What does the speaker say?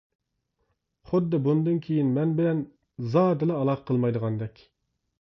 خۇددى بۇندىن كېيىن مەن بىلەن زادىلا ئالاقە قىلمايدىغاندەك.